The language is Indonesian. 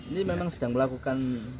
ini memang sedang melakukan